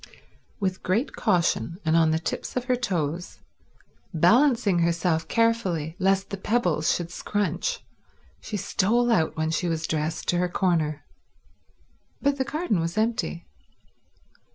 With great caution and on the tips of her toes, balancing herself carefully lest the pebbles should scrunch, she stole out when she was dressed to her corner; but the garden was empty.